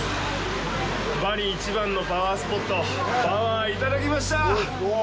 バリ一番のパワースポットパワー、いただきました！